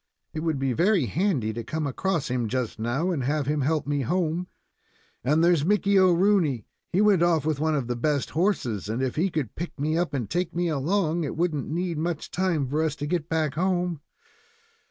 It would be very handy to come across him just now and have him help me home. And there's Mickey Rooney. He went off on one of the best horses; and if he could pick me up and take me along, it wouldn't need much time for us to get back home.